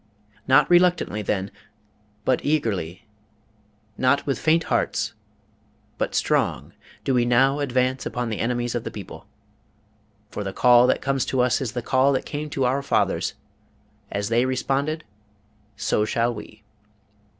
| Not reluctantly, then, | but eagerly, | not with faint hearts, | but strong, do we now advance upon the enemies of the people. | For the call that comes to us is the call that came to our fathers. | As they responded, so shall we.